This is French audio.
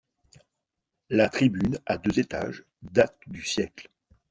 La tribune à deux étages date du siècle.